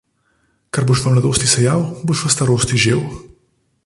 Kar boš v mladosti sejal, boš v starosti žel.